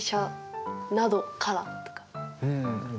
うん。